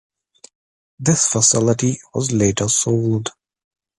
This facility was later sold.